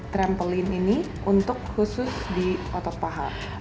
trampolin ini untuk khusus di otot paha